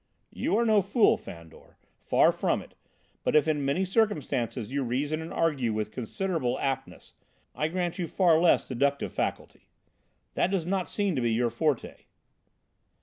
"You are no fool, Fandor; far from it, but if in many circumstances you reason and argue with considerable aptness, I grant you far less deductive faculty. That does not seem to be your forte."